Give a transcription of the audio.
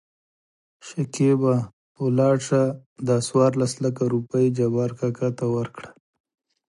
شکېبا : ولاړ شه دا څورلس لکه روپۍ جبار کاکا ته ورکړه.